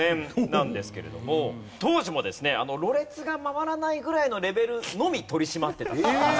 当時もですねろれつが回らないぐらいのレベルのみ取り締まってた。